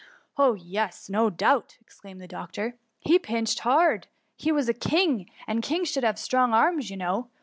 *' Oh yes, no doubt T exclaimed the doctor, ^^ he pinched hard. He was a king, and kings should^ have strong arms, you know.